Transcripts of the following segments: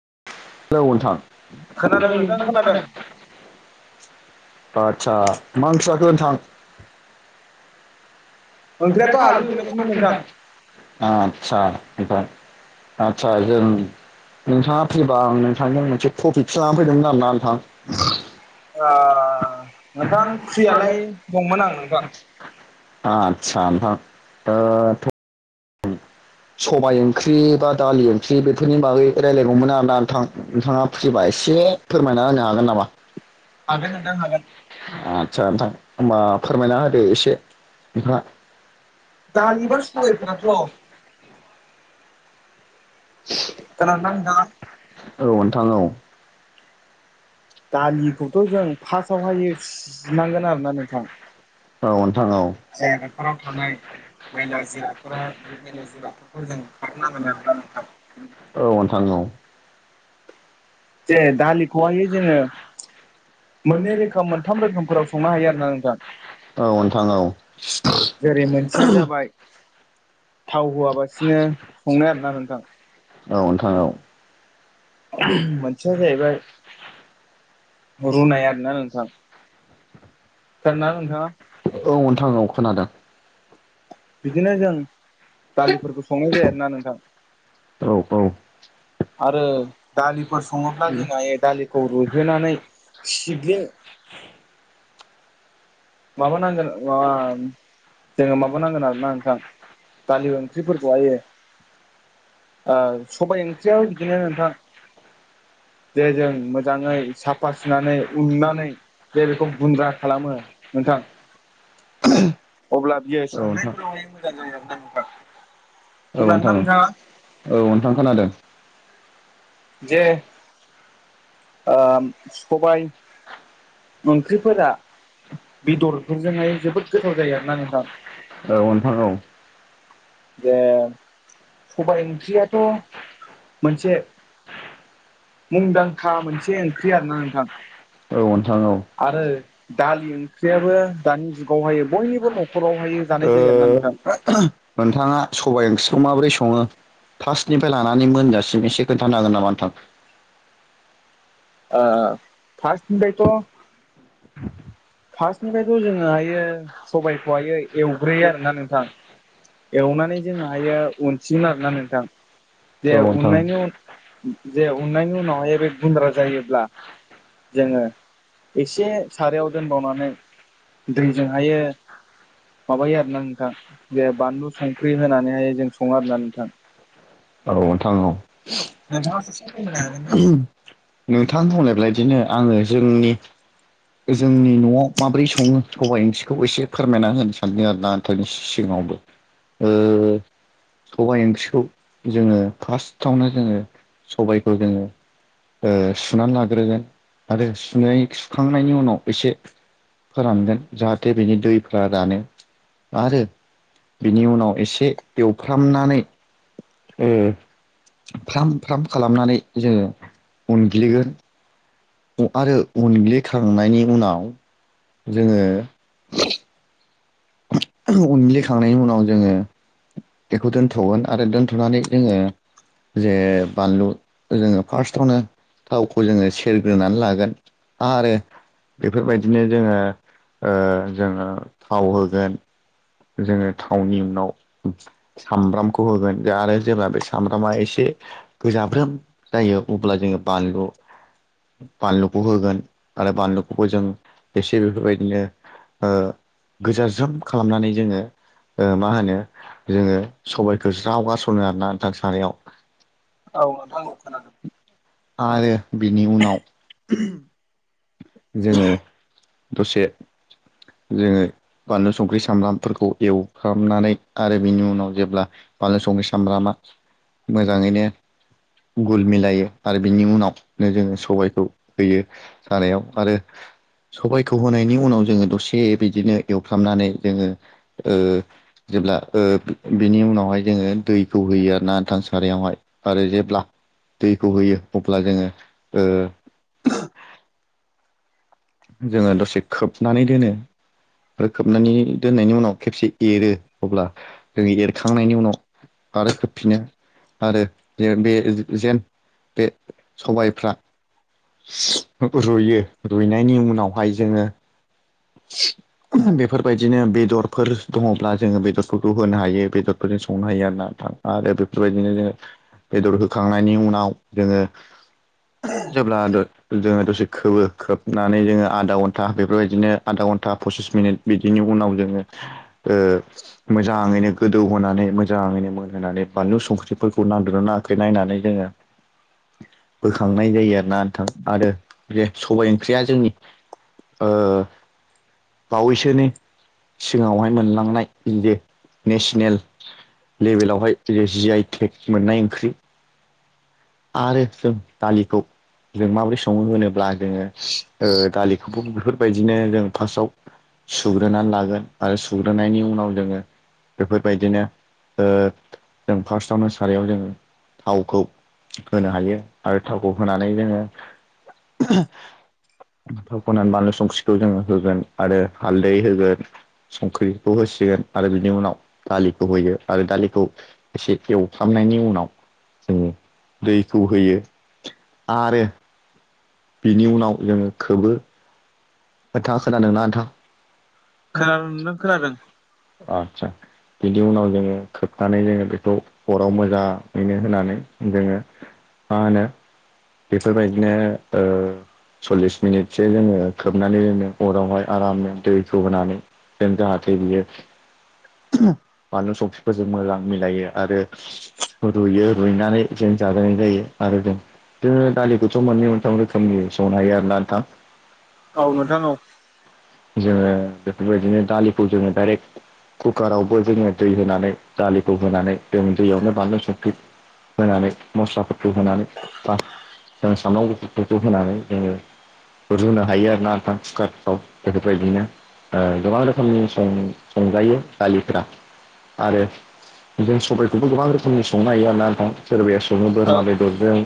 औ खोनादों नोंथां। नोंथां खोनादों आतसा मा ओंख्रि जाखो नोंथां? ओंख्रियाथ' आलु एवनायसोमोन नोंथां आतसा। ओमफ्राय आदसा जों नोंथाङा फ्रिबा नोंथांजों मोनसे टपिकसो लानानै फैदोंमोन आरोना नोंथां। आ। नोंथां फ्रियालाय दंमोन आं नोंथां। आतसा नोंथां ओ सबाय ओंख्रि ओंख्रि बा दालि ओंख्रि बेफोरनि बागै रायलायगौमोन आरो ना नाथां नोंथाङा फ्रिबा एसे फोरमायना होनो हागोन नामा। हागोन नोंथां हागोन‌ आत आतसा नोंथां होमबा फोरमायना होदो एसे नोंथाङा। दालिबा [unintelligible] औ। खोनादोंना नोंथाङा औ नोंथां औ। दालिखौथ' जों फार्स्टआवहायो सुनांगोन आरोना नोंथां [unintelligible] औ नोंथां औ जे न'खराव थानाय मैला [unintelligible] [unintelligible] मैला जिरादफोरखौ जों खारहो नांगोन ना नोंथां। औ नोंथां औ नोंथां औ जे दालिखौहाय जोङो [unintelligible] मोननै रोखोम औ मोनथाम रोखोमफोराव संनो हायो आरोना नोंथां औ जेरै मोनसेया जाबाय [inaudible] थाव होआबासिनो संनाय आरोना नोंथां [unintelligible] औ नोंथां औ। मोनसेया जाहैबाय रुनाय आरोना नोंथां। खोनादोंना नोंथाङा [unintelligible] औ नोंथां औ खोनादों। बिदिनो जों दालिफोरखौ संनाय जायो आरोना नोंथां आरो दालिफोर सङोब्ला जोंहा औ ए दालिखौ रुइहोनानै सिग्लि औ माबानांगोन ओ जोङो माबा नांगोन आरोना नोंथां दालि ओंख्रिफोरखौहायो ओ सबाय ओंख्रियाबो बिदिनो नोंथां जे जों मोजाङै साफा सुनानै उननानै जे बेखौ गुन्द्रा खालामो नोंथां अब्ला बियो नोंथां औ खोनादोंना नोथां नोंथाङा औ नोंथां खोनादों जे ओ सबाय ओंख्रिफोरा बेदरफोरजोंहाय जोबोद गोथाव जायो आरोना नोंथां औ नोंथां औ दे मोनसे मुंदांखा मोनसे ओंख्रि आरोना नोंथां आरो दालि ओंख्रियाबो दानि जुगावहायो बयनिबो न'खरावहाय जानाय जायो आरोना नोंथां [unintelligible] थाङा सबाय ओंख्रियाव मा [inaudible] फार्स्टनिफ्राय लानानै मोनजासिम एसे खोन्थानो हागोन नामा नोंथां ओ फास्तनिफ्राइथ' फार्स्टनिफ्रायथ' जोङोहायो सबाइखौहायो एवग्रोयो आरोना नोंथां एवनानै जोङोहायो उनसिगोन आरोना नोंथां जे उननायनि उ जे उननायनि उनावहाय बे गुन्द्रा जायोब्ला जोङो एसे सारायाव दोनबावनानै दैजोंहायो माबायो आरोना नोंथां जे बानलु संख्रि होनानैहाय जों सङो आरो ना नोंथां नोंथां औ नोंथां औ नोंथां बुंनायबायदि बिदिनो आङो जोंनि जोंनि न'आव माबोरै सङो सबाइ ओंख्रिखौ एसे फोरमायना होनो सानदों आरोना नोंथांनि सिगाङावबो ओ सबाइ ओंख्रिखौ जोङो फार्स्टआवनो जोङो सबाइखौ जोङो ओ सुनानै लाग्रोगोन आरो सुनाय सुखांनायनि उनाव एसे फोरानगोन जाहाथे बेनि दैफ्रा रानो आरो बेनि उनाव एसे एवफ्रामनानै उम फ्राम फ्राम खालामनानै जोङो उनग्लिगोन आरो अनग्लिखांनायनि उनाव जोङो उनग्लिखांनायनि उनाव जोङो बेखौ दोनथ'गोन आरो दोनथ'नानै जोङो जे बानलु जोङो फार्स्टआवनो थावखौ जोङो सेरग्रोनानै लागोन आरो बेफोरबायदिनो जोङो ओ जोङो थाव हो गोन जोङो थावनि उनाव सामब्रामखौ होगोन आरो जेब्ला बे सामब्रामा एसे गोजाब्रोम जायो अब्ला जोंङो बानलु बानलुखौ होगोन आरो बानलुखौबो जों एसे बेफोरबायदिनो ओ गोजाज्रोम खालामनानै जोंङो ओ मा होनो जोंङो सबाइखौ ज्राव गारासनो आरोना नोंथां साराइयाव औ नोंथां खोनादों आरो बिनि उनाव जोंङो दसे जोंङो बानलु संख्रि सामब्रामफोरखौ एवफ्रामनानै आरो बिनि उनाव जेब्ला बानलु संख्रि सामब्रामा मोजाङैनो गुल मिलायो आरो बिनि उनावनो जोंङो सबाइखौ होयो सारायाव आरो सबाइखौ होनायनि उनाव जोंङो दसे से बिदिनो एवफ्रामनानै जोङो ओ जेब्ला ओ बिनि उनावहाय जोंङो दैखौ होयो आरो ना नोंथां सारायावहाय आरो जेब्ला दैखौ होयो अब्ला जोंङो ओ जोंङो दसे खोबनानै दोनो आरो खोबनानै दोननायनि उनाव खेबसे एरो अब्ला जों एरखांनायनि उनाव आरो खोबफिनो आरो जे बे जेन बे सबाइफ्रा रुयो रुइनायनि उनावहाय जोंङो [inaudible] बेफोरबायदिनो बेदरफोर दंङब्ला जोंङो बेदरफोरखौ होनो हायो बेदरफोरजों संनो हायो आरो ना नोंथां आरो बेफोरबायदिनो जोंङो बेदर होखांनायनि उनाव जोंङो जेब्ला जोंङो दसे खोबो खोबनानै जोंङो आधा घन्टा बेफोरबायदिनो आधा घन्टा पसिस मिनिट बिदिनि उनाव जोंङो ओ मोजाङैनो गोदौहोनानै मोजाङैनो मोनो होनानै बानलु संख्रिफोरखौ नांगोना नाङाखै नायनानै जोंङो बोखांनाय जायो आरो ना नोंथां आरो बे सबाइ ओंख्रिया जोंनि ओ बावैसोनि सिगाङावहाय मोनलांनाय जे नेसनेल लेभेलावहाय जे जि आइ टेग मोननाय ओंख्रि आरो जों दालिखौ जों माबोरै संङो होनोब्ला जोंङो ओ दालि खौ बेफोरबायदिनो फार्स्टआव सुग्रोनानै लागोन आरो सुग्रोनायनि उनाव जोंङो बेफोरबायदिनो ओ जों फार्स्टआवनो सारायाव जों थावखौ होनो हायो आरो थावखौ होनानै जोंङो [unintelligible] थावखौ होनानै बानलु संख्रिखौ जों होगोन आरो हालदै होगोन संख्रिखौ होसिगोन आरो बिनि उनाव दालिखौ होयो आरो दालिखौ एसे एवफ्रामनायनि उनाव जों दैखौ होयो आरो बिनि उनाव जोंङो खोबो नोंथाङा खोनादोंना नोंथां [inaudible] खोनादों नोंथां खोनादों अ आसा बिनि उनाव जोंङो खोबनानै जोंङो बेखौ हराव मोजाङैनो होनानै जोंङो मा होनो बेफोरबायदिनो ओ सल्लिस मिनिटसो जोंङो खोबनानै जोंङो अरावहाय आरामनो दैखौ होनानै जों जाहाथे बियो ओम बानलु सफिफोरजों मोजां मिलायो आरो रुयो रुइनानै जों जाजायनाय जायो आरो जों जो दालिखौथ मोननै मोनथाम रोखोमनि संनो हायो आरोना नोंथां औ नोंथां औ जोंङो बेफोरबायदिनो दालिखौ जोंङो डाइरेक्ट कुकारावबो जोंङो दै होनानै दालिखौ होनानै जों दैयावनो बानलु संख्रि होनानै मस्लाफोरखौ होनानै बा जों सामब्राम गुफुरफोरखौ होनानै जोंङो रुनो हायो आरो नोंथां कुकारफ्राव बेफोरबायदिनो गोबां रोखोमनि संजायो दालिफोरा आरो जों सबखौबो गोबां रोखोमनि संनो हायो आरो ना नोंथां सोरबाया जनो बोरमा बेदर जों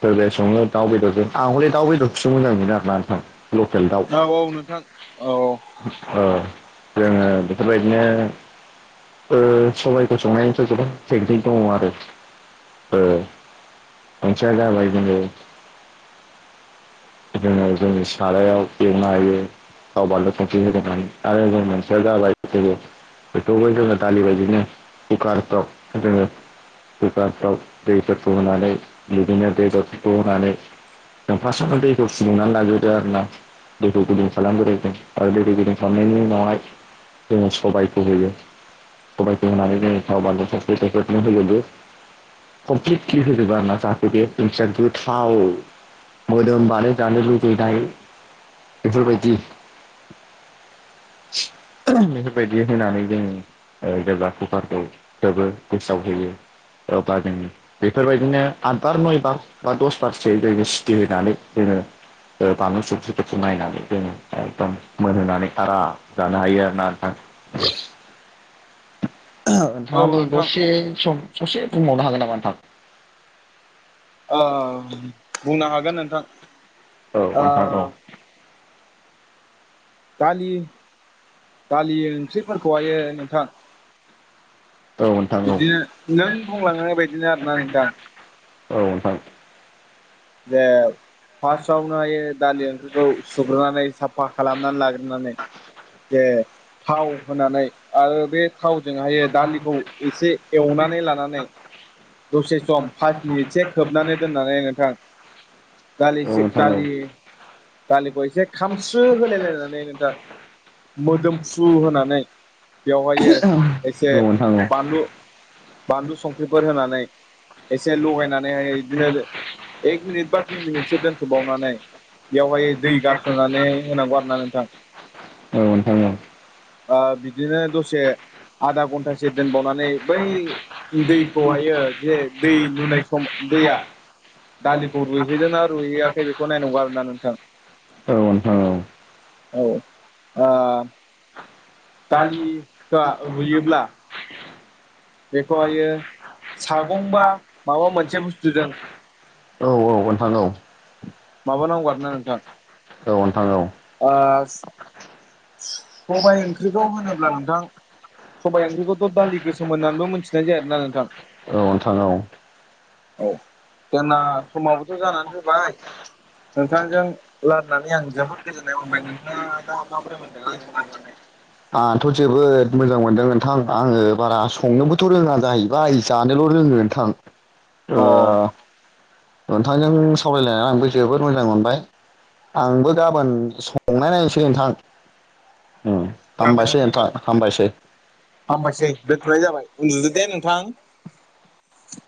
सोरबाया संङो दाउ बेदरजों आं हले दाउ बेदरखौसो मोजां मोनो आर ना नोंथां लकेल दाउ औ औ नोंथां औ जोंङो बेफोरबायदिनो ओ सबबायखौ संनायनिफ्राय गोबां टेकनिक दंङ आरो ओ मोनसेया जाबाय जोंङो जोंङो जोंनि सारायाव एवनो हायो गाव बानलु संख्रि होगोनानै आरो जों मोनसेया जाबाय जो बेखौबो जोङो दालि बायदिनो कुकारफ्राव जोङो कुकारफ्राव दैफोरखौ होनानै बिदिनो दै बेदरफोरखौ होनानै जों फार्स्टआवनो दैखौ फुदुंनानै लाग्रोयो। आरोना दैखौ गुदुं खालामग्राय जों आरो दैखौ गुदुं खालामनायनि उनावहाय जोङो सबायखौ होयो सबायखौ होनानै जोङो थाव बानलु थखे थखेनो होजोबो कमप्लिटलि होजोबो आरो ना जाहाथे बे ओंथियाखौ थाव मोदोम बानाय जानो लुबैयो। देनाय बेफोरबायदि बेफोरबायदि होनानै जों जेब्ला कुकारखौ खोबो गेसआव होयो अब्ला जों बेफोरबायदिनो आथ बार नय बार बा दस बारसो जों सिटि होनानै जोङो ओ बानलु संख्रिफोरखौ नायनानै जोङो एकदम मोनहोनानै आराम जानो हायो आरोना नोंथां। ओ औ नोथाङाबो नोंथां दसे सम ससे बुंबावनो हागोन नामा नोंथां। औ औ ओ नोंथां औ। दालि दालि ओंख्रि फोरखौहायो नोंथां। औ नोंथां बिदिनो नों बुंलांनाय बायदिनो आरोना नोंथां औ औ नोंथां। बेे फार्स्टआवनो दालि ओंख्रिखौ सुग्रोनानै साफा खालामनानै लाग्रोनानै जे थाव होनानै आरो बे थावजोंहायो दालिखौ एसे एवनानै लानानै दसे सम पास मिनिटसो खोबनानै दोननानै नोंथां औ नोंथां औ नोंथां औ नोंथां औ नोंथां औ नोंथां औ नोंथां दालिसे दालि औ दालि जे खामस्रो होलाय लायनानै नोंथां मोदोमफ्रु होनानै बेवहायो एसे औ नोंथां औ। बानलु बानलु संख्रिफोर होनानै एसे लगायनानैहायो बिदिनो एक मिनिट बा दुइ मिनिटसो दोनथबावनानै बेयावहाय दै गारसनानै होनांगौ आरो ना नोंथां ओ बिदिनो दसे आधा घन्टासो दोनबावनानै बै दैखौहायो जे दै लुनाय सम दैया दालिखौ रुइहैदोंना रुइहैयाखै बेखौ नायनांगौ आरोना नोंथां औ ओ दालिखौ रुयोब्ला बेखौहायो सागंबा माबा मोनसे बुस्थुजों औ नोंथां औ। माबा नांगौ आरोना नोंथां ओ सबाय ओंख्रिखौ होनोब्ला नोंथां सबाय ओंख्रिखौथ' दालि गोसोम होननानैबो मोनथिनाय जायोना नोंथां औ नोंथां औ औ जोंना समाबोथ जानानै होबाय नोंथांजों रायलायनानै आं जोबोद गोजोननाय मोनबाय नोंथाङा दा माब्रै मोनदों ओं माबानाय आंथ' जोबोद मोजां मोनदों नोंथां आङो बारा संनोबोथ' रोङा जाहैबाय जानोल' रोङो नोंथां। ओ अ' नोंथांजों सावरायलायनानै आंबो जोबोद मोजां मोनबाय आंबो गाबोन संनाय नायनोसै नोंथां। उम जागोन हामबायसै नोंथां जागोन हामबायसै हामबायसै दोनथ'नाय जाबाय उन्दुदो दे नों थां